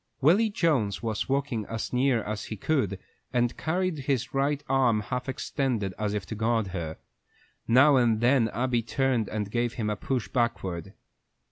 Willy Jones was walking as near as he could, and he carried his right arm half extended, as if to guard her. Now and then Abby turned and gave him a push backward.